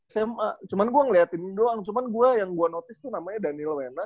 sma cuman gue ngeliatin doang cuman gue yang gue notice tuh namanya daniel wenas